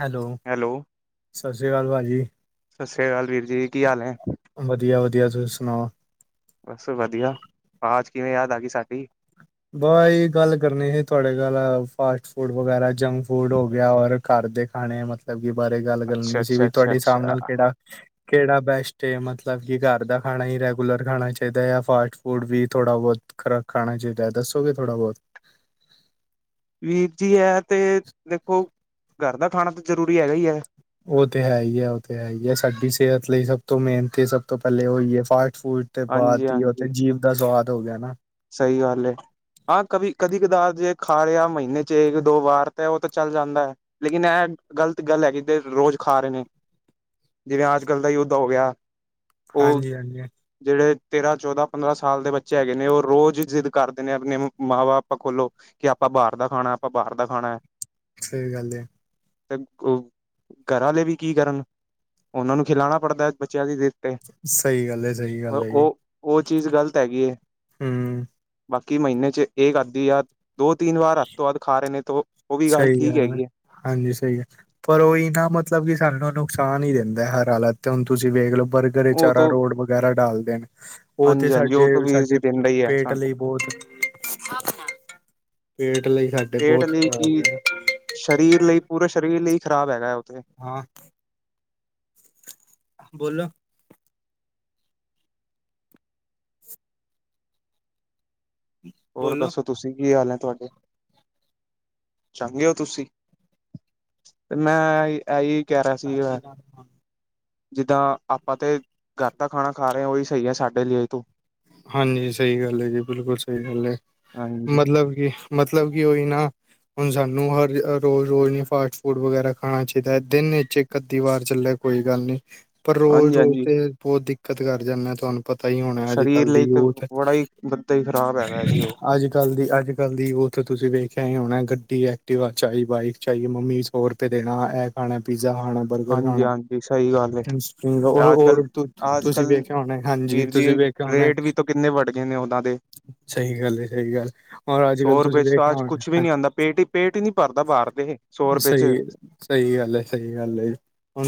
Hello, hello ਸਤਿ ਸ਼੍ਰੀ ਅਕਾਲ ਭਾ ਜੀ। ਸਤਿ ਸ੍ਰੀ ਅਕਾਲ ਵੀਰ ਜੀ ਕੀ ਹਾਲ ਹੈ ਵਧੀਆ- ਵਧੀਆ! ਤੁਸੀਂ ਸੁਣਾਉ? ਬਸ ਵਧੀਆ। ਆਜ਼ ਕਿਵੇਂ ਯਾਦ ਆ ਗਈ ਸਾਡੀ? ਬ ਜੇ ਗੱਲ ਕਰਨੀ ਸੀ ਤੁਹਾਡੇ ਨਾਲ, ਫਾਸਟ ਫੂਡ ਵਗੈਰਾ, ਜੰਕ ਫੂਡ ਹੋ ਗਿਆ, ਔਰ ਘਰ ਦੇ ਖਾਣੇ ਮਤਲਬ ਕੀ ਬਾਰੇ ਗੱਲ ਅੱਛਾ ਕਰਨੀ ਸੀ, ਅੱਛਾ ਵੀ ਅੱਛਾ ਤੁਹਾਡੇ ਹਿਸਾਬ ਅੱਛਾ ਨਾਲ ਕਿਹੜਾ [inaudible] ਕਿਹੜਾ ਬੈਸਟ ਏ, ਮਤਲਬ ਕਿ ਘਰ ਦਾ ਖਾਣਾ ਹੀ ਰੈਗੂਲਰ ਖਾਣਾ ਚਾਹੀਦਾ ਹੈ, ਯਾ ਫਾਸਟ ਫੂਡ ਵੀ ਥੋੜਾ ਬਹੁਤ ਖਰਾ ਖਾਣਾ ਚਾਹੀਦਾ, ਦੱਸੋਗੇ ਥੋੜ੍ਹਾ ਬਹੁਤ। ਵੀਰ ਜੀ, ਹੈ ਤੇ ਦੇਖੋ ਘਰ ਦਾ ਖਾਣਾ ਤਾਂ ਜ਼ਰੂਰੀ ਹੈਗਾ ਹੀ ਹੈ ਉਹ ਤੇ ਹੈ ਈ ਐ ਉਹ ਤੇ ਹੈਗੀ ਏ ਸਾਡੀ ਸਿਹਤ ਲਈ ਸਭ ਤੋਂ ਮੇਹਨਤੀ ਸਭ ਤੋਂ ਪਹਿਲੇ ਉਹੀ ਹੈ ਫਾਸਟ ਫੂਡ ਤੇ ਹਾਂਜੀ ਬਾਅਦ ਹੀ ਉੱਥੇ ਹਾਂਜੀ ਜੀਬ ਦਾ ਸਵਾਦ ਹੋ ਗਿਆ ਨਾ ਸਹੀ ਗੱਲ ਏ ਹਾਂ ਕਦੀ-ਕਦੀ ਕਦਾਰ ਜੇ ਖਾ ਲਿਆ ਮਹੀਨੇ ਵਿਚ ਇਕ ਦੋ ਵਾਰ ਤੇ ਉਹ ਤੇ ਚੱਲ ਜਾਂਦਾ ਏ ਲੇਕਿਨ ਇਹ ਗ਼ਲਤ ਗੱਲ ਹੈਗੀ ਦੇਖ ਰੋਜ਼ ਖਾ ਰਹੇ ਨੇ ਜਿਵੇਂ ਅੱਜ ਕੱਲ੍ਹ ਦਾ ਯੁੱਧ ਹੋ ਗੇਆ ਹਾਂਜੀ ਹਾਂਜੀ ਜਿਹੜੇ ਤੇਰਾਂ ਚੌਦਾਂ ਪੰਦਰਾਂ ਸਾਲ ਦੇ ਬੱਚੇ ਹੈਗੇ ਨੇ ਉਹ ਰੋਜ਼ ਈ ਜ਼ਿੱਦ ਕਰਦੇ ਨੇ ਆਪ ਮਾਂ ਬਾਪਾਂ ਕੌਲੌ ਕਿ ਆਪਾਂ ਬਾਹਰ ਦਾ ਖਾਣਾ ਆਪਾਂ ਬਾਹਰ ਦਾ ਖਾਣਾ ਸਹੀ ਗੱਲ ਏ ਤੇ ਖੋਹ ਘਰਾ ਆਲੇ ਵੀ ਕੀ ਕਰਨ ਉਹਨਾਂ ਨੂੰ ਖਿਲਾਣਾ ਪੜਦਾ ਬੱਚਿਆਂ ਦੀ ਤੇ ਸਹੀ ਗੱਲ ਹੈ ਸਹੀ ਗੱਲ ਪਰ ਹੈ ਉਹ ਉਹ ਚੀਜ਼ ਗ਼ਲਤ ਹੈਗੀ ਏ ਹੰ ਬਾਕੀ ਮਹੀਨੇ ਚ ਇਹ ਕਰਦੀ ਆ ਦੋ ਤਿੰਨ ਵਾਰ ਅਧ ਤੋਂ ਵਧ ਖਾ ਰਹੇ ਨੇ ਤੋ ਉਹ ਵੀ ਸਹੀ ਠੀਕ ਗੱਲ ਏ ਹੈਗੀ ਹੈ ਹਾਂਜੀ ਸਹੀ ਗੱਲ ਪਰ ਉਹੀ ਨਾ ਮਤਲਬ ਕਿ ਸਾਨੂੰ ਨੁਕਸਾਨ ਹੀ ਦਿੰਦਾ ਹਰ ਹਾਲਤ ਤੇ ਹੁਣ ਤੁਸੀਂ ਵੇਖ ਲਓ ਪਰ ਤੇ ਉਹ ਚਾਰਾ ਤੋਂ ਰੋਡ ਵਗੈਰਾ ਡਾਲਦੇ ਨੇ ਉਹ ਤੇ ਹਾਂਜੀ ਹਾਂਜੀ ਉਹ ਸਾਡੇ ਤੋਂ ਵੀਰ ਜੀ ਸਾਡੇ ਦਿੰਦਾ ਹੀ ਹੈ ਪੇਟ ਸਾਨੂੰ ਲਈ ਬਹੁਤ ਪੇਟ ਲਈ ਸਾਡੇ ਬਹੁਤ ਖਰਾਬ ਆ ਸ਼ਰੀਰ ਲਈ ਪੂਰੇ ਸ਼ਰੀਰ ਲਈ ਖ਼ਰਾਬ ਹੈਗਾ ਏ, ਉਹ ਤੇ ਹਾਂ ਬੋਲੋ ਹੋਰ ਬੋਲੋ ਦੱਸੋ ਤੁਸੀਂ ਕੀ ਹਾਲ ਹੈ ਤੁਹਾਡੇ ਚੰਗੇ ਔ ਤੁਸੀਂ ਤੇ ਮੈਂ ਇਹੀ ਕਹਿ ਰਿਹਾ ਸੀ ਜਿੱਦਾਂ ਆਪਾਂ ਤੇ ਘਰ ਦਾ ਖਾਣਾ ਖਾ ਰਹੇ ਹਾਂ ਉਹੀ ਸਹੀ ਹੈ ਸਾਡੇ। ਲਈ ਤੋ ਹਾਂਜੀ ਸਹੀ ਗੱਲ ਏ ਜੀ ਬਿਲਕੁਲ ਸਹੀ ਗੱਲ ਏ ਹਾਂਜੀ ਮਤਲਬ ਕੀ ਮਤਲਬ ਕਿ ਉਹੀ ਨਾ ਹੁਣ ਸਾਨੂੰ ਹਰ ਰੋਜ਼ ਰੋਜ਼ ਨਹੀਂ ਫਾਸਟ ਫੂਡ ਵਗੈਰਾ ਖਾਣਾ ਚਾਹੀਦਾ ਹੈ ਦਿਨ ਵਿੱਚ ਕਤੀ ਵਾਰ ਚੱਲੇ ਕੋਈ ਗੱਲ ਨੀ ਪਰ ਹਾਂਜੀ ਰੋਜ਼-ਰੋਜ਼ ਹਾਂਜੀ ਤੇ ਬਹੁਤ ਦਿੱਕਤ ਕਰ ਜਾਂਦੇ ਤੁਹਾਨੂੰ ਪਤਾ ਹੀ ਹੋਣਾ ਅਜੇ ਅਜ ਸਰੀਰ ਕੱਲ ਦੀ ਲਈ ਤੇ ਯੂਥ ਬੜਾ ਹੀ ਬੱਦਾ ਹੀ ਖ਼ਰਾਬ ਹੈਗਾ ਜੀ ਉਹ ਅੱਜ ਅੱਜ ਕੱਲ ਦੀ ਅੱਜ ਕੱਲ੍ਹ ਦੀ ਯੁਥ ਤੁਸੀਂ ਵੇਖਿਆ ਹੀ ਹੋਣਾ ਗੱਡੀ, ਐਕਟੀਵਾ ਚਾਹੇ ਬਾਈਕ ਚਾਹੀਏ ਮੰਮੀ ਹੋ ਰੁਪਏ ਦੇਣਾ ਇਹ ਖਾਣਾ ਪੀਜ਼ਾ ਖਾਣਾ ਬਰਗਰ ਹਾਂਜੀ ਖਾਣਾ ਹਾਂਜੀ ਸਹੀ ਗੱਲ ਹੈ ਤੇ ਅੱਜ ਕੱਲ ਉਹ ਅੱਜ ਕੱਲ ਤੁਸੀਂ ਵੇਖਿਆ ਹੋਣਾ ਹਾਂਜੀ ਵੀਰ ਜੀ ਤੁਸੀਂ ਵੇਖ ਰੇਟ ਵੀ ਤਾਂ ਕਿੰਨੇ ਵਡ ਗਏ ਨੇ ਓਦਾਂ ਦੇ ਸਹੀ ਗੱਲ ਹੈ ਸਹੀ ਗੱਲ ਔਰ ਅੱਜ ਕੱਲ੍ਹ ਸੌ ਤੁਸੀਂ ਰੁਪਏ ਚ ਤਾਂ ਵੇਖਿਆ ਅਜ ਕੁਛ ਹੋਣਾ ਵੀ ਨੀ ਆਉਂਦਾ ਪੇਟ ਹੀ ਪੇਟ ਹੀ ਨੀ ਭਰਦਾ ਬਾਹਰ ਦੇ ਸੌ ਰੁਪਏ ਚ ਸਹੀ ਸਹੀ ਗੱਲ ਏ ਸਹੀ ਗੱਲ ਏ।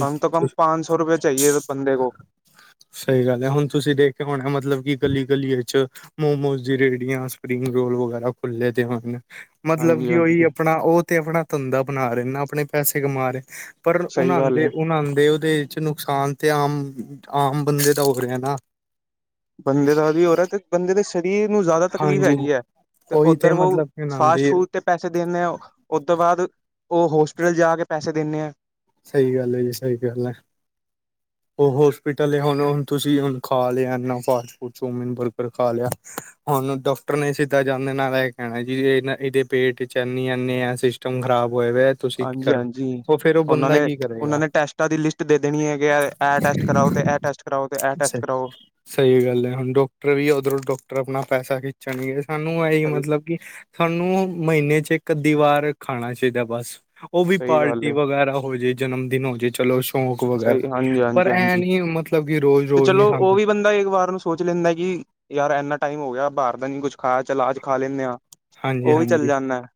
ਕਮ ਤੋ ਕਮ ਪੰਜ ਸੌ ਰੁਪਏ ਚਾਹੀਏ ਇਸ ਬੰਦੇ ਕੋ ਸਹੀ ਗੱਲ ਹੈ ਹੁਣ ਤੁਸੀਂ ਦੇਖ ਕੇ ਹੋਣਾ ਮਤਲਬ ਕਿ ਗਲੀ ਗਲੀਏ ਚ ਮੋਮੋਸ ਦੀ ਰੇਹੜੀਆਂ ਸਪਰਿੰਗ ਰੋਲ ਵਗੈਰਾ ਖੁੱਲੇ ਦੇ ਹਨ ਮਤਲਬ ਹਾਂਜੀ ਕਿ ਉਹੀ ਹਾਂਜੀ ਅਪਣਾ ਉਹ ਤੇ ਆਪਣਾ ਧੰਦਾ ਬਣਾ ਰਹੇ ਨਾ ਆਪਣੇ ਪੈਸੇ ਕਮਾ ਰਹੇ ਪਰ ਸਹੀ ਉਨ੍ਹਾਹ ਗੱਲ ਦੇ ਹੈ ਉਨਾਹ ਦੇ ਉਹਦੇ ਵਿੱਚ ਨੁਕਸਾਨ ਤੇ ਆਮ ਆਮ ਬੰਦੇ ਦਾ ਹੋ ਰਿਹਾ ਨਾ। ਬੰਦੇ ਦਾ ਵੀ ਹੋ ਰਾ ਤੇ ਬੰਦੇ ਦੇ ਸਰੀਰ ਨੂੰ ਜ਼ਿਆਦਾ ਤਕਲੀਫ਼ ਹਾਂਜੀ ਹੈਗੀ ਐ ਤੇ ਉਹੀ ਉੱਧਰ ਓ ਮਤਲਬ ਕਿ ਫਾਸਟ ਨਾਂਦੀ ਫੂਡ ਤੇ ਪੈਸ ਦੇਣੇ ਆਂ, ਓਤੋਂ ਬਾਅਦ ਓ ਹੋਸਪਿਟਲ ਜਾ ਕੇ ਪੈਸੇ ਦੇਣੇ ਆਂ। ਸਈ ਗੱਲ ਐ ਜੀ, ਸਈ ਗੱਲ ਐ। [inaudible] ਓ ਹੋਸਪੀਟਲ ਏ ਹੁਣ ਓ ਹੁਣ ਤੁਸੀਂ ਹੁਣ ਖਾ ਲਿਆ, ਇਨ੍ਹਾਂ ਫਾਸਟ ਫੁਡ ਚੋਮੀਨ, ਬਰਗਰ ਖਾ ਲਿਆ। ਹੁਣ ਡਾਕਟਰ ਨੇ ਸਿੱਧਾ ਜਾਂਦੇ ਨਾਲ ਐ ਕੈਣਾ ਜੀ, ਐ ਨਾਂ ਏਦੇ ਪੇਟ ਚ ਇੰਨੀ ਇਨੇਂ ਆ ਸਿਸ ਟਮ ਖਰਾਬ ਹੋਇਆ ਦਾ ਤੁਸੀਂ ਕੀ ਕਰੋ, ਓ ਫੇਰ ਓ ਬੰਦਾ ਕੀ ਓਨਾਂ ਕਰੇਗਾ ਨੇ ਟੈਸਟਾਂ ਦੀ ਲਿਸਟ ਦੇ ਦੇਣੀ ਐ ਕਿ ਏ ਐ ਟੈਸਟ ਕਰਾਓ ਤੇ ਐ ਟੈਸਟ ਕਰਾਓ ਤੇ ਐ ਟੈਸਟ ਕਰਾਓ। ਸਈ ਗੱਲ ਹੈ, ਹੁਣ ਡਾਕਟਰ ਵੀ ਉੱਧਰੋਂ ਡਾਕਟਰ ਆਪਣਾ ਪੈਸਾ ਖਿੱਚਣਗੇ ਸਾਨੂੰ ਏਹੀ ਸਹੀ, ਮਤਲਬ ਸਾਨੂੰ ਮਹੀਨੇ ਚ ਇੱਕ-ਅੱਧੀ ਵਾਰ ਖਾਣਾ ਚਾਈਦਾ ਬਸ। ਓ ਵੀ ਸਹੀ ਗੱਲ ਪਾਰਟੀ ਏ। ਵਗੈਰਾ ਹੋਜੇ, ਜਨਮ ਦਿਨ ਹੋ ਜੇ ਚੱਲੋ ਚੌਕ ਵਗੈਰਾ ਸਹੀ ਪਰ ਐ ਹਾਂਜੀ-ਹਾਂਜੀ-ਹਾਂਜੀ, ਨੀਂ ਮਤਲਬ ਕਿ ਰੋਜ਼-ਰੋਜ਼ ਨੀਂ ਸਾਨੂੰ ਕਈ ਵਾਰ ਨੂੰ ਸੋਚ ਲੈਂਦਾ ਕਿ ਯਾਰ ਇਨਾਂ ਟਾਈਮ ਹੋ ਗਿਆ ਬਾਰ ਦਾ ਨੀਂ ਕੁੱਛ ਖਾਇਆ। ਚਲ ਅਆਜ ਖਾ ਲੈਂਣੇ ਆਂ। ਹਾਂਜੀ ਓ ਵੀ ਚੱਲ ਹਾਂਜੀ ਜਾਂਣਾ ਐ।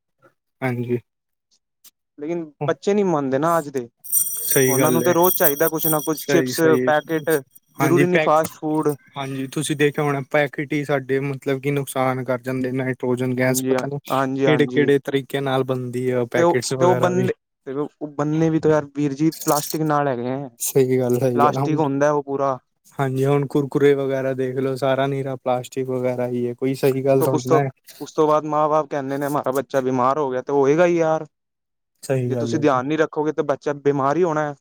ਹਾਂਜੀ ਲੇਕਿਨ ਬੱਚੇ ਨੀਂ ਮੰਨਦੇ ਨਾਂ ਅੱਜ ਦੇ, ਸਹੀ ਓਨਾਂ ਨੂੰ ਗੱਲ ਹੈ ਤਾਂ ਰੋਜ਼ ਚਾਈਦਾ ਕੁਛ ਨਾਂ ਕੁਛ ਸਹੀ ਚਿਪਸ, ਸਹੀ ਪੈਕੇਟ ਹਾਂਜੀ ਜ਼ਰੂਰੀ ਨੀਂ ਪੈਕ ਫਾਸਟ ਫੂਡ ਹਾਂਜੀ, ਤੁਸੀਂ ਦੇਖਿਆ ਹੋਣਾ ਪੈਕੇਟ ਈ ਸਾਡੇ ਮਤਲਬ ਕਿ ਨੁਕਸਾਨ ਕਰ ਜਾਂਦੇ ਨੇ। ਪ੍ਰੋਜਨ ਗੈਸ ਹਾਂਜੀ, ਪਤਾ ਨੀਂ ਹਾਂਜੀ-ਹਾਂਜੀ। ਕਿਹੜੇ-ਕਿਹੜੇ ਤਰੀਕੇ ਨਾਲ ਬਣਦੀ ਐ ਪੈਕਟਸ ਵਗੈਰਾ ਵੀ। ਫਿਰ ਓ, ਉ ਬੰਨੇ ਵੀ ਤਾਂ ਯਾਰ, ਵੀਰ ਜੀ ਪਲਾਸਟਿਕ ਨਾਲ ਹੈਗੇ ਐਂ। ਸਈ ਗੱਲ ਹੈਗੀ ਐ ਨਾਂ ਹੁੰਟ ਹਾਂਜੀ ਹੁਣ ਕੁਰਕੁਰਰੇ ਵਗੈਰਾ ਦੇਖ ਲੋ, ਸਾਰਾ ਨਿਰਾ ਪਲਾਸਟਿਕ ਵਗੈਰਾ ਈ ਏ। ਉਸ ਤੋਂ ਉਸ ਤੋਂ ਉਸ ਤੋਂ ਬਾਅਦ ਮਾਂ ਬਾਪ ਕੈਂਦੇ ਨੇ ਮਾਰਾ ਬੱਚਾ ਬਿਮਾਰ ਹੋ ਗਿਆ ਤੇ ਹੋਏਗਾ ਈ ਯਾਰ ਸਹੀ ਜੇ ਗੱਲ ਤੁਸੀਂ ਹੈ ਧਿਆਨ ਨੀਂ ਰੱਖੋਗੇ ਤਾਂ ਬੱਚਾ ਬਿਮਾਰ ਈ ਹੋਣਾ ਐ।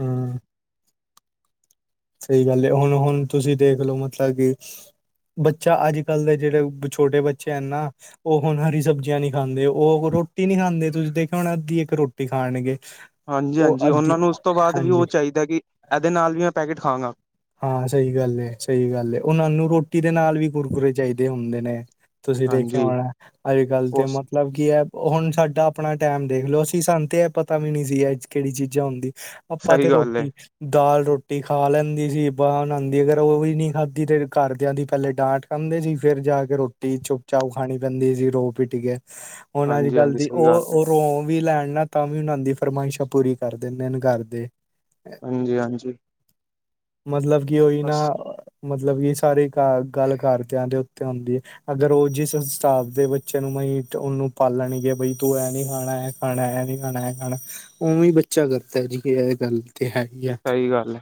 ਹਂ। ਸਈ ਗੱਲ ਐ, ਹੁਣ ਹੁਣ ਤੁਸੀਂ ਦੇਖਲੋ ਮਤਲਬ ਕਿ ਬੱਚਾ ਅੱਜ-ਕਲ ਦੇ ਜੇੜੇ ਛੋਟੇ ਬੱਚੇ ਹਨ ਨਾਂ ਓ ਹੁਣ ਹਰੀ ਸਬਜ਼ੀਆਂ ਨਈਂ ਖਾਂਦੇ, ਓ ਰੋਟੀ ਨੀਂ ਖਾਂਦੇ ਤੁਸੀਂ ਦੇਖਿਆ ਹੋਣਾ ਅੱਧੀ ਇੱਕ ਰੋਟੀ ਖਾਣਗੇ। ਹਾਂਜੀ ਉਹ ਹਾਂਜੀ, ਅੱਧੀ ਓਨਾਂ ਨੂੰ ਉਸ ਤੋਂ ਬਾਅਦ ਵੀ ਹਾਂਜੀ ਓ ਚਾਈਦਾ ਕਿ ਏਦੇ ਨਾਲ ਵੀ ਮੈਂ ਪੈਕੇਟ ਖਾਂਗਾਂ। ਹਾਂ ਸਈ ਗੱਲ ਐ, ਸਈ ਗੱਲ ਏ। ਓਨਾਂ ਨੂੰ ਰੋਟੀ ਦੇ ਨਾਲ ਵੀ ਕੁਰਕੁੁਰਰੇ ਚਾਈਦੇ ਹੁੰਦੇ ਨੇ। ਤੁਸੀਂ ਦੇਖਿਆ ਹਾਂਜੀ ਹੋਣਾ ਅੱਜ-ਕਲ ਦੇ ਉਹ ਮਾਪੇ ਮਤਲਬ ਕੀ ਐ ਹੁਣ ਸਾਡਾ ਆਪਣਾ ਟੈਮ ਦੇਖ ਲੋ ਅਸੀਂ ਸਾਨੂੰ ਤੇ ਐ ਪਤਾ ਵੀ ਨੀ ਸੀ, ਕੇੜੀ ਚੀਜ਼ਾਂ ਹੁੰਦੀ। ਆਪਾਂ ਸਹੀ ਤੇ ਗੱਲ ਹੈ ਰੋਟੀ, ਦਾਲ-ਰੋਟੀ ਖਾ ਲੈਂਦੀ ਸੀ। ਬਾਹਣ ਆਂਦੀ ਅਗਰ ਓ ਵੀ ਨੀਂ ਖਾਧੀ ਤੇ ਘਰਦਿਆਂ ਦੀ ਪਹਿਲੇ ਡਾਂਟ ਖਾਂਦੇ ਸੀ, ਫਿਰ ਜਾ ਕੇ ਰੋਟੀ ਚੁੱਪ ਚਾਵਲ ਖਾਣੀ ਪੈਂਦੇ ਸੀ, ਰੋ ਪਿੱਟ ਕੇ। ਹੁਣ, ਹਾਂਜੀ ਅੱਜ-ਕਲ ਹਾਂਜੀ ਦੀ ਸਹੀ ਓ ਗੱਲ ਹੈ ਓ ਰੋਮ ਵੀ ਲੈਣ ਨਾ, ਤਾਂ ਵੀ ਓਨਾਂ ਦੀ ਫਰਮਾਇਸ਼ਾਂ ਪੂਰੀ ਕਰ ਦਿੰਦੇ ਨੇਂ ਘਰ ਦੇ। ਹਾਂਜੀ, ਹਾਂਜੀ। ਮਤਲਬ ਕੀ ਓਈ ਬਸ ਨਾਂ, ਮਤਲਬ ਕਿ ਸਾਰੀ ਗਾ ਗੱਲ ਘਰਦਿਆਂ ਦੇ ਉੱਤੇ ਹੁੰਦੀ ਐ। ਅਗਰ ਜਿਸ ਹਿਸਾਬ ਦੇ ਬੱਚੇ ਨੂੰ ਮਈ ਓਨੂੰ ਪਾਲਣਗੇ ਬਈ, ਤੂੰ ਏ ਨਈਂ ਖਾਣਾ। ਖਾਣਾ ਏ ਨੀਂ ਖਾਣਾ, ਏ ਖਾਣਾ। ਉਵੇਂ ਬੱਚਾ ਕਰਦਾ ਜੀ, ਫਿਰ ਐ ਗੱਲ ਤੇ ਹੈਗੀ ਐ। ਸਈ ਗੱਲ ਐ।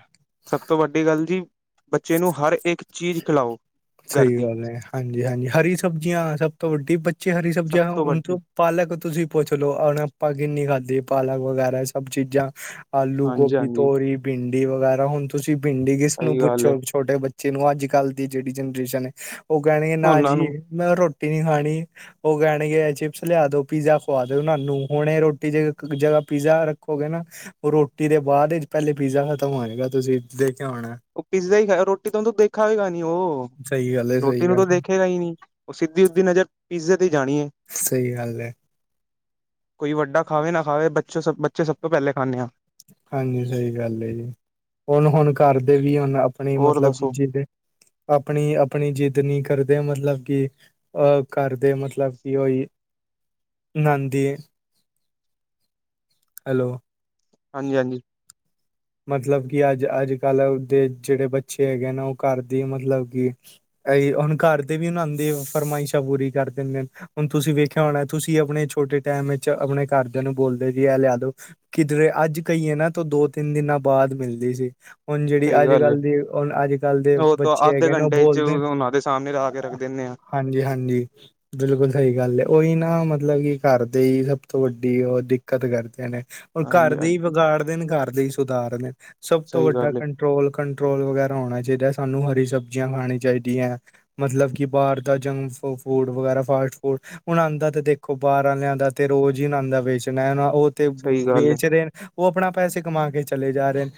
ਸਭ ਤੋਂ ਵੱਡੀ ਗੱਲ ਜੀ, ਬੱਚੇ ਨੂੰ ਹਰ ਇੱਕ ਚੀਜ਼ ਖਿਲਾਓ ਘਰ ਸਈ ਦੀ ਗੱਲ ਐ, ਹਾਂਜੀ-ਹਾਂਜੀ, ਹਰੀ ਸਬਜ਼ੀਆਂ ਸਭ ਤੋਂ ਵੱਡੀ ਬਚ ਅੱਚੇ ਹਰੀ ਸਭ ਸਬਜ਼ੀਆਂ ਖਾਓ। ਤੋਂ ਵੱਡੀ ਉਨਕੋ ਪਾਲਕ, ਤੁਸੀਂ ਪੁੱਛ ਲਓ, ਹੁਣ ਆਪਾਂ ਕਿੰਨੀ ਖਾਧੀ ਪਾਲਕ ਵਗੈਰਾ ਸਭ ਚੀਜ਼ਾਂ। ਆਲੂ, ਹਾਂਜੀ ਗੋਭੀ, ਹਾਂਜੀ ਤੋਰੀ, ਭਿੰਡੀ, ਵਗੈਰਾ ਹੁਣ, ਤੁਸੀਂ ਭਿੰਡੀ, ਕਿਸ ਨੂੰ ਸਹੀ ਗੱਲ ਹੈ ਪੁੱਛੋ ਛੋਟੇ ਬੱਚੇ ਅੱਜ ਕੱਲ ਦੀ ਜਿਹੜੀ ਜਨਰੇਸ਼ਨ ਹੈ ਉਹ ਕਹਿਣਗੇ ਨਾ ਉਹਨਾਂ ਜੀ, ਨੂੰ ਮੈਂ ਰੋਟੀ ਨੀ ਖਾਣੀ। ਉਹ ਕਹਿਣਗੇ ਚਿਪਸ ਲਿਆ ਦੋ, ਪੀਜ਼ਾ ਖਵਾ ਦੋ, ਉਹਾਨ ਨੂੰ ਹੁਣ, ਇਹ ਰੋਟੀ ਜ ਜਗ੍ਹਾ ਪੀਜ਼ਾ ਰੱਖੋਗੇ ਨਾ ਉਹ ਰੋਟੀ ਦੇ ਬਾਅਦ ਚ ਪਹਿਲੇ ਪੀਜ਼ਾ ਖਤਮ ਹੋ ਜਾਏਗਾ ਤੁਸੀਂ ਦੇਖਿਓ ਹੁਨ ਉਹ ਪੀਜ਼ਾ ਹੀ ਖਾ, ਰੋਟੀ ਤਾਂ ਉਹਨੂੰ ਦੇਖਾ ਹੋਏਗਾ ਨੀ ਉਹ, ਸਹੀ ਗੱਲ ਹੈ, ਰੋਟੀ ਸਹੀ ਨੂੰ ਗੱਲ, ਤਾਂ ਦੇਖੇਗਾ ਹੀ ਨੀ। ਉਹ ਸਿੱਧੀ, ਉਦੀ ਨਜ਼ਰ, ਪੀਜ਼ੇ ਤੇ ਹੀ ਜਾਣੀ ਏ, ਸਹੀ ਗੱਲ ਹੈ। ਕੋਈ ਵੱਡਾ ਖਾਵੇ ਨਾ ਖਾਵੇ, ਬੱਚੋਂ ਸਭ ਬੱਚੇ ਸਭ ਤੋਂ ਪਹਿਲੇ ਖਾਂਨੇ ਹਾਂ। ਹਾਂਜੀ, ਸਹੀ ਗੱਲ ਏ ਜੀ ਹੁਣ ਹੁਣ ਕਰਦੇ ਵੀ ਹੁਣ ਆਪ ਆਪਣੀ ਹੋਰ ਮਤਲਬ ਕਿ, ਦੱਸੋ ਜਿੱਦ ਆਪਣੀ ਆਪਣੀ, ਜਿੱਦ ਨੀ ਕਰਦੇ ਮਤਲਬ ਕਿ ਅਹ ਕਰਦੇ ਮਤਲਬ, ਕਿ ਉਈ ਨਾਦੀ ਏ ਹੈਲੋ ਹਾਂਜੀ ਹਾਂਜੀ ਮਤਲਬ, ਕਿ ਅੱਜ ਅੱਜ ਕੱਲ੍ਹ ਦੇ ਜਿਹੜੇ, ਬੱਚੇ ਹੈਗੇ ਨੇ ਉਹ ਘਰਦੀ ਮਤਲਬ‌ ਕਿ ਅ ਹੁਣ ਘਰ ਤੇ ਵੀ ਉਹ ਨਾਂ, ਆਦੀ ਓਹ ਫਰਮਾਇਸ਼ਾਂਪੂਰੀ ਕਰ ਦਿੰਦੇ ਨੇ ਹੁਣ ਤੁਸੀਂ ਵੇਖਿਆ ਹੋਣਾ, ਤੁਸੀਂ ਆਪਣੇ ਛੋਟੇ ਟਾਈਮ ਵਿੱਚ, ਆਪਣੇ ਘਰਦਿਆਂ ਨੂੰ ਬੋਲਦੇ ਜੀ ਇਹ ਲਿਆ ਦੋ। ਕਿਧਰੇ ਅੱਜ ਕਹੀਏ ਨਾ ਤੋਂ, ਦੋ, ਤਿੰਨ, ਦਿਨਾਂ ਬਾਅਦ ਮਿਲਦੀ ਸੀ‌। ਹੁਣ ਜਿਹੜੀ ਸਹੀ ਅੱਜ ਗੱਲ ਕੱਲ ਦੀ ਹਣ ਅੱਜ ਕੱਲ ਦੇ ਹੈ ਉਹ ਤਾਂ ਬੱਚੇ ਅੱਧੇ ਹੈਗੇ ਨੇ, ਉਹ ਘੰਟੇ ਚ ਬੋਲਦੇ ਨੇ, ਉਹਨਾਂ ਦੇ ਸਾਹਮਣੇ ਲਾ ਕੇ ਰੱਖ ਦਿੰਦੇ ਆ ਹਾਂਜੀ ਹਾਂਜੀ ਬਿਲਕੁਲ ਸਹੀ ਗੱਲ ਹੈ, ਉਹੀ ਨਾ ਮਤਲਬ ਕਿ, ਘਰ ਦੇ ਹੀ ਸਭ ਤੋਂ ਵੱਡੀ, ਉਹ ਦਿੱਕਤ ਕਰਦੇ ਨੇ ਘਰ, ਹਾਂਜੀ ਦੇ ਹੀ ਹਾਂਜੀ ਵਿਗਾੜਦੇ ਨੇ, ਘਰ ਦੇ ਹੀ ਸੁਧਾਰਦੇ, ਸਭ ਤੋਂ ਸਹੀ ਵੱਡਾ ਕੰ ਗੱਲ ਹੈ ਕੰਟਰੋਲ ਕੰਟਰੋਲ ਵਗੈਰਾ ਹੋਣਾ ਚਾਹੀਦਾ ਹੈ ਸਾਨੂੰ ਹਰੀ ਸਬਜ਼ੀਆਂ ਖਾਣੀ ਚਾਹੀਦੀਆਂ। ਮਤਲਬ ਕਿ, ਬਾਹਰ ਦਾ ਜੰਕ ਫੂਡ ਵਗੈਰਾ ਫਾਸਟ ਫੂਡ ਹਣ ਅਉਂਦਾ, ਤੇ ਦੇਖੋ ਬਾਹਰ ਵਾਲਿਆਂ ਦਾ, ਤੇ ਰੋਜ਼ ਹੀ ਉਂਨਾ ਦਾ ਵੇਚਣਾ ਨਾ ਉਹ, ਤੇ ਸਹੀ ਗੱਲ ਹੈ ਵੇਚ ਰਹੇ ਨੇ, ਉਹ ਆਪਣਾ ਪੈਸੇ ਕਮਾ ਕੇ ਚਲੇ ਜਾ ਰਹੇ।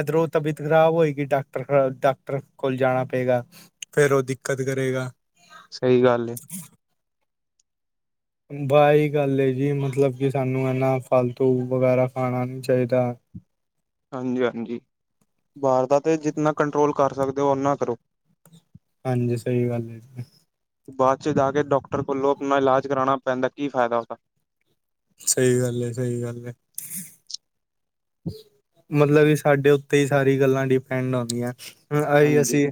ਇਧਰੋਂ ਤਬੀਅਤ ਖਰਾਬ ਹੋਏਗੀ ਡਾਕਟਰ, ਡਾਕਟਰ ਕੋਲ ਜਾਣਾ ਪਏਗਾ। ਫੇਰ, ਉਹ ਦਿੱਕਤ ਕਰੇਗਾ। ਸਹੀ ਗੱਲ ਹੈ। ਵਾਹੀ ਗੱਲ ਏ ਜੀ ਮਤਲਬ, ਕਿ ਸਾਨੂੰ ਹਨਾ ਫਾਲਤੂ ਵਗੈਰਾ ਖਾਣਾ ਨਹੀਂੀ ਚਾਹੀਦਾ। ਹਾਂਜੀ ਹਾਂਜੀ ਵਾਰ ਦਾ ਤੇ ਜਿੰਤਨਾ ਕੰਟਰੋਲ ਕਰ ਸਕਦੇ ਹੋ, ਉਨਾ ਕਰੋ ਹਾਂਜੀ, ਸਹੀ ਗੱਲ ਹੈ। ਬਾਅਦ ਚ ਜਾ ਕੇ ਡਾਕਟਰ ਵਲੋਂ ਆਪਣਾ ਇਲਾਜ ਕਰਾਉਣਾ ਪੈਂਦਾ ਕੀ ਫਾਇਦਾ ਉਹਦਾ ਸਹੀ ਗੱਲ ਹੈ, ਸਹੀ ਗੱਲ ਹੈ। ਮਤਲਬ ਵੀ, ਸਾਡੇ ਉੱਤੇ ਹੀ ਸਾਰੀ ਗੱਲਾਂ ਡਿਪੈਂਡ ਆਉਂਦੀਆਂ ਹਨ ਆਹੀ ਹਾਂਜੀ ਅਸੀਂ।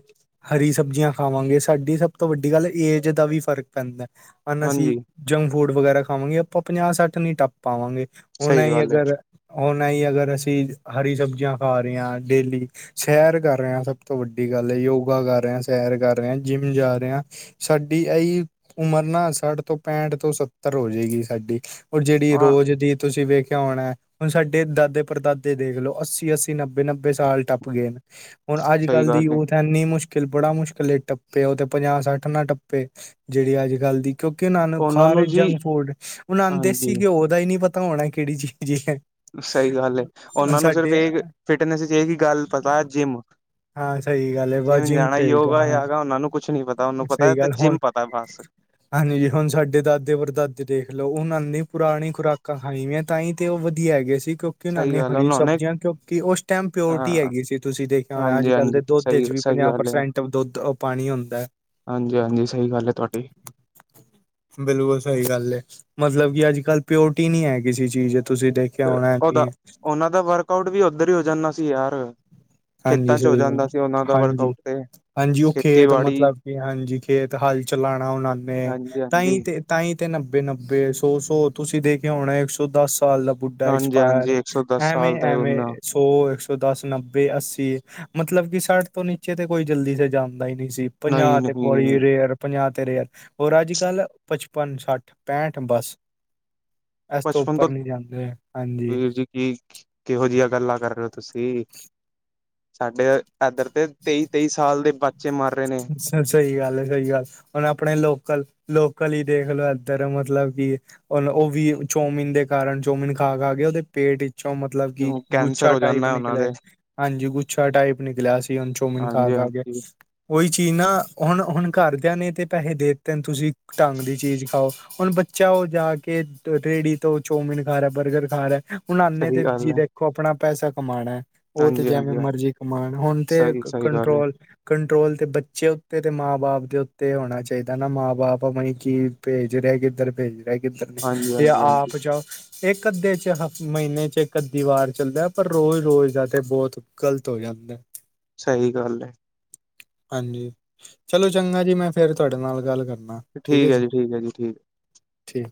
ਹਰੀ ਸਬਜ਼ੀਆਂ ਖਾਵਾਂਗੇ, ਸਾਡੀ ਸਭ ਤੋਂ ਵੱਡੀ ਗੱਲ ਏਜ ਦਾ ਵੀ ਫ਼ਰਕ ਪੈਂਦਾ ਹੈਨਾ ਅਸੀਂ ਹਾਂਜੀ ਜੰਕ ਫੂਡ ਵਗੈਰਾ ਖਾਵਾਂਗੇ, ਆਪਾਂ ਪੰਜਾਹ ਸੱਠ ਨੀ ਟੱਪ ਪਾਵਾਂਗੇ ਹੁਣਂ ਸਹੀ ਇਹੀ ਗੱਲ ਹੈ ਅਗਰ ਓ ਨਾਂ ਹੀ ਅਗਰ, ਅਸੀਂ ਹਰੀ ਸਬਜ਼ੀਆਂ ਖਾ ਰਹੇ ਹਾਂ ਡੇਲੀ ਸੈਰ ਕਰ ਰਿਆ, ਸਭ ਤੋਂ ਵੱਡੀ ਗੱਲ ਹੈ, ਯੋਗਾ ਕਰ ਰਿਅ, ਸੈਰ ਕਰ ਰਿਆ, ਜਿੰਮ ਜਾ ਰਿਆ ਸਾਡੀ, ਐ ਈ ਉਮਰ ਨਾ ਸੱਠ ਤੋਂ ਪੈਂਠ ਤੋਂ ਸੱਤਰ ਹੋ, ਜੇ ਗੀ ਸਾਡੀ ਓ ਜੇੜੀ ਹਾਂ ਰੋਜ਼ ਦੀ ਤੁਸੀਂ ਵੇਖਿਆ ਹੋਣਾ, ਓ ਸਾਡੇ ਦਾਦੇ ਪਰਦਾਦੇ ਦੇਖ ਲੋ, ਅੱਸੀ ਅੱਸੀ, ਨੱਬੇ ਨੱਬੇ ਸਾਲ ਟੱਪ ਗਏ, ਹੁਨ ਅੱਜ ਸਹੀ ਕੱਲ ਦੀ ਗੱਲ ਹੈ ਐਨੀ ਮੁਸ਼ਕਿਲ, ਬੜਾ ਮੁਸ਼ਕਿਲ ਏ, ਟੱਪੇ ਓ ਤੇ ਪੰਜਾਹਸੱਠ ਨਾ ਟੱਪੇ, ਜੇੜੀ ਅੱਜ ਕੱਲ ਦੀ ਕਿਉਂਕੀ, ਓਨਾ ਨੂੰ ਉਹਨਾਂ ਖਾ ਰਹੇ ਜੀ ਜੰਕ ਫੁਡ ਓਨਾ ਦੇਸੀ ਹਾਂਜੀ ਘਿਓ ਦਾ ਈ ਨੀ ਪਤਾ ਹੋਣਾ, ਕੇੜੀ ਚੀਜ਼ ਏ ਸਹੀ ਗੱਲ ਏ, ਓਨਾਂ ਨੂੰ ਸਿਰਫ ਏਕ ਫਿਟਨੈਸ ਚ ਏਹੀ ਗੱਲ ਪਤਾ, ਜਿੰਮ ਹਾਂ ਸਹੀ ਗੱਲ ਹੈ ਬ ਜਿੰਮ ਜਾਣਾ, ਭੇਜਦਾ ਹਾਂ ਯੋਗਾ-ਯਾਗਾ ਓਨਾਂ ਨੂੰ ਕੁਛ ਨੀ ਪਤਾ, ਓਨੂੰ ਪਤਾ ਸਹੀ ਤੇ ਗੱਲ ਹੁਣ ਜਿੰਮ ਪਤਾ ਬੱਸ। ਹਾਂਜੀ, ਹੁਣ ਸਾਡੇ ਦਾਦੇ-ਪੜਦਾਦੇ ਦੇਖ ਲੋ ਹੁਣ, ਐਨੀ ਪੁਰਾਣੀ ਖੁਰਾਕਾਂ ਖਾਈ ਐੰ। ਤਾਂ ਈ ਤੇ ਓ, ਵਧੀਆ ਐਗੇ ਸੀ। ਕਿਉਂ ਕਿ ੳਨਾਂ ਸਹੀ ਨੇ ਗੱਲ ਹੈ, ਹਰੀ ਉਹਨਾਂ ਨੇ ਸਬਜ਼ੀਆਂ, ਕਿਉਂਕਿ ਓਸ ਟੈਮ ਪਿਓਰਟੀ ਹਾਂ ਹੈਗੀ ਸੀ, ਤੁਸੀਂ ਦੇਖ ਔਰ, ਹਾਂਜੀ ਅੱਜ-ਕੱਲ ਦੇ ਹਾਂਜੀ ਦੋਧ ਸਹੀ ਏਚ ਵੀ ਸਹੀ ਪੰਜਾ ਪ੍ਰਸੈਂਟ ਦੋਧ, ਓ ਪਾਣੀ ਹੁੰਦੈ। ਆਂਜੀ, ਆਂਜੀ, ਸਹੀ ਗੱਲ ਐ ਤੁਆਡੀ। ਬਿਲਕੁਲ ਸਈ ਗੱਲ ਏ, ਮਜਲਬ ਕਿ ਅੱਜ-ਕੱਲ ਪਿਓਰਟੀ ਨੀ ਐ ਕਿਸੇ ਚੀਜ਼, ਤੁਸੀਂ ਦੇਖ ਓਦਾ, ਓਨਾਂ ਦਾ ਵਰਕ ਆਊਟ ਵੀ ਓਧਰ ਈ ਓ ਜਾਣਾ ਸੀ ਯਾਰ। ਹਾਂਜੀ, ਖੇਤਾਂ ਚ ਹੋ ਸਈ ਗੱਲ ਜਾਂਦਾ ਐ, ਸੀ ਉਹਨਾਂ ਦਾ ਹਾਂਜੀ। ਵਰਕਆਊਟ ਤੇ ਹਾਂਜੀ, ਓ ਖੇਤ ਖੇਤੀਬਾੜੀ ਮਤਲਬ ਕਿ ਹਾਂਜੀ, ਖੇਤ ਹੱਲ ਚਲਾਣਾ ਓਨਾਂ ਨੇ, ਹਾਂਜੀ ਤਾਂ ਈ ਹਾਂਜੀ ਤੇ ਤਾ ਈ ਤੇ ਨੱਬੇ-ਨੱਬੇ, ਸੌ-ਸੌ ਤੁਸੀਂ ਦੇਖਿਆ ਹੋਣਾ, ਇੱਕ ਸੌ ਦਸ ਸਾਲ ਬੁੱਢਾ ਹਾਂਜੀ ਐਕਸਪਾਇਰ, ਹਾਂਜੀ ਇੱਕ ਸੌ ਦਸ ਐਵੇ, ਸਾਲ ਤੇ ਐਵੇ ਉਹਨਾਂ ਸੌ ਇੱਕ ਸੌ ਦਸ ਨ ਬੇ ਅੱਸੀ, ਮਤਲਬ ਕਿ ਸਾਠ ਤੋਂ ਨੀਚੇ ਤੇ, ਕੋਈ ਜਲਦੀ ਸੇ ਜਾਂਦਾ ਈ ਨੀ ਸੀ। ਪੰਜਾ, ਨਹੀਂ ਤੇ ਨਹੀਂ ਬੋੜੀ ਰੇਅਰ ਪੰਜਾ, ਤੇ ਰੇਯਰ ਔਰ ਅੱਜ-ਕੱਲ, ਪਚਪਨ, ਸਾਠ, ਪੈਂਠ, ਬੱਸ। ਐਸ ਤੋ ਬਚਪਨ ਤੋਂ ਉੱਪਰ ਨੀ ਜਾਂਦੇ, ਹਾਂਜੀ। ਵੀਰ ਜੀ ਕੀ, ਕੇਹੋ ਜੀਆ ਗੱਲਾਂ ਕਰ ਰੇ ਓ ਤੁਸੀਂ, ਸਾਡੇ ਐਧਰ ਤੇ ਤੇਈ, ਤੇਈ ਸਾਲ ਦੇ ਬੱਚੇ ਮਰ ਰੇ ਨੇ। ਸ ਸਈ ਗੱਲ ਏ, ਸਈ ਗੱਲ। ਔਰ ਅਪਣੇ ਲੋਕਲ-ਲੋਕਲ ਈ ਦੇਖਲੋ, ਐਧਰ ਮਤਲਵ ਕਿ ਔਰ ਓ ਵੀ ਚੋਮਿਨ ਦੇ ਕਾਰਨ, ਚੋਮਿਨ ਖਾ-ਖਾ ਕੇ ਓਦੇ ਪੇਟ 'ਚੋ ਮਤਲਵ ਕਿ, ਕੈਂਸਰ ਗੁੱਛਾ ਹੋ ਟਾਈਪ ਜਾਂਦਾ ਉਹਨਾਂ ਨਿਕਲੇ। ਦੇ ਹਾਂਜੀ, ਗੁੱਛਾ ਟਾਈਪ ਨਿਕਲਿਆ ਸੀ ਹੁਨ, ਚੋਮਿਨ ਹਾਂਜੀ ਖਾ-ਖਾ ਕੇ। ਹਾਂਜੀ ਕੋਈ ਚੀਜ਼ ਨਾ, ਹੁਣ-ਹੁਣ ਘਰਦੇਆਂ ਨੇ ਤੇ ਪੈਹੇ ਦੇ ਦੇਤੇਂ, ਤੁਸੀਂ ਢੰਗ ਦੀ ਚੀਜ਼ ਖਾਓ। ਹੁਨ ਬੱਚਾ ਓ ਜਾ ਕੇ ਰੇੜੀ ਤੋਂ, ਚੌਮਿਨ ਖਾ ਰੇਆ, ਬਰਗਰ ਖਾ ਰੇਆ ਉਨ੍ਹਾਂ ਨੇ ਸਹੀ ਤੇ ਗੱਲ ਜੀ ਹੈ ਦੇਖੋ, ਅਪਣਾ ਪੈਸਾ ਕਮਾਣੈ ਓ ਤੇ ਹਾਂਜੀ ਜੈਵੇਂ ਹਾਂਜੀ ਹਾਂਜੀ ਮਰਜੀ ਕਮਾਨ, ਹੁਨ ਤੇ ਸਹੀ ਏਕ ਸਹੀ ਗੱਲ ਹੈ ਕੰਟਰੋਲ-ਕੰ ਕੰਟਰੋਲ ਤੇ ਬੱਚੇ ਉੱਤੇ, ਤੇ ਮਾਂ ਬਾਪ ਦੇ ਉੱਤੇ ਹੋਣਾ ਚਾਹੀਦਾ ਨਾ, ਮਾਂ ਬਾਪਵੇ ਕੀ ਭੇਜ ਰਿਹਾ, ਕਿੱਧਰ ਭੇਜ ਰਿਹਾ, ਕਿੱਧਰ ਨੀ। ਹਾਂਜੀ ਜੇ ਹਾਂਜੀ ਹਾਂਜੀ ਆਪ ਜਾਓ ਇਕ ਅੱਧੇ 'ਚ ਹ ਮਹੀਨੇ 'ਚ, ਇੱਕ ਅੱਧੀ ਵਾਰ ਚੱਲਦਾ, ਪਰ ਰੋਜ਼-ਰੋਜ਼ ਦਾ ਤੇ ਬਹੁਤ ਗਲਤ ਹੋ ਜਾਂਦਾ। ਸਹੀ ਗੱਲ ਹੈ। ਹਾਂਜੀ, ਚਲੋ ਚੰਗਾ ਜੀ, ਮੈਂ ਫੇਰ ਤੁਹਾਡੇ ਨਾਲ ਗੱਲ ਕਰਨਾ। ਠੀਕ ਹੈ ਜੀ, ਠੀਕ ਹੈ ਜੀ, ਠੀਕ ਹੈ। ਠੀਕ।